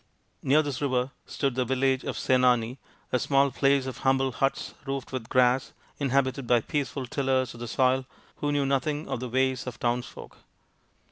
Near this river stood the village of Senani, a small place of humble huts roofed with grass, inhabited by peaceful THE PRINCE WONDERFUL 187 tillers of the soil who knew nothing of the ways of townsfolk.